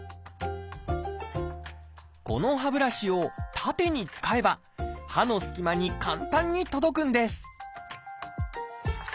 この歯ブラシを縦に使えば歯のすき間に簡単に届くんです